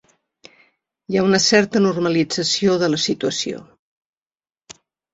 Hi ha una certa normalització de la situació.